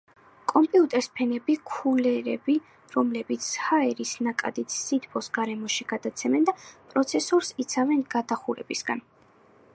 კომპიუტერს ფენები ქულერები, რომლებიც ჰაერის ნაკადით სითბოს გარემოში გადაცემენ და პროცესორს იცავენ გადახურებისაგან